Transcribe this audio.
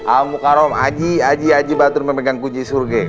al mukarram haji haji haji batul memegang kunci surga